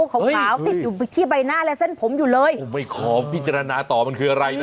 ขาวขาวติดอยู่ที่ใบหน้าและเส้นผมอยู่เลยผมไม่ขอพิจารณาต่อมันคืออะไรนะ